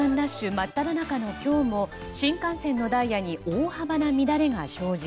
真っただ中の今日も新幹線のダイヤに大幅な乱れが生じ